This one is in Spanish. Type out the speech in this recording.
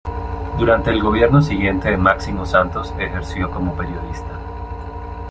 Durante el gobierno siguiente de Máximo Santos ejerció como periodista.